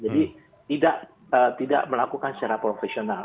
jadi tidak melakukan secara profesional